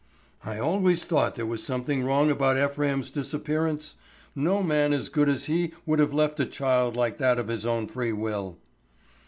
"I always thought there was something wrong about Ephraim's disappearance. No man as good as he would have left a child like that of his own free will."